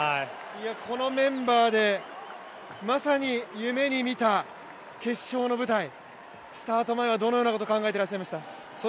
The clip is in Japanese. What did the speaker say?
このメンバーでまさに夢に見た決勝の舞台、スタート前はどのようなことを考えてらっしゃいました？